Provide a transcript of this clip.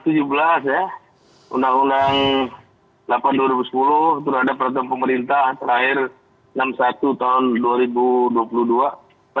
undang undang delapan dua ribu sepuluh terhadap peraturan pemerintah terakhir